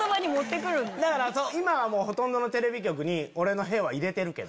今はほとんどのテレビ局に俺の屁は入れてるけど。